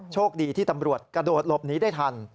โชคดีที่ตำรวจกระโดดหลบหนีได้ทัน